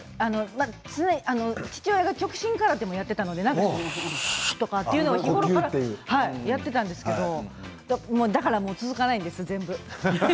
父親が極真空手をしていたのでしゅーっという呼吸日頃からやっていたんですけどだから続かないんです全部。